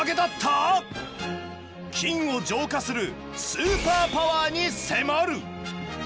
菌を浄化するスーパーパワーに迫る！